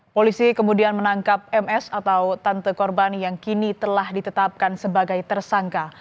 polisi kemudian menangkap ms atau tante korban yang kini telah ditetapkan sebagai tersangka